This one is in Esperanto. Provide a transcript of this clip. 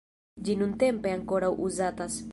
Ĝi nuntempe ankoraŭ uzatas.